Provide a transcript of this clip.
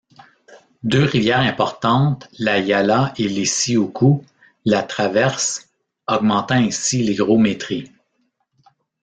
Deux rivières importantes, la Yala et l'Isiukhu, la traversent augmentant ainsi l'hygrométrie.